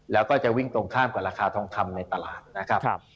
แล้วก็จะวิ่งตรงข้ามกับราคาทองคำในตลาดนะครับ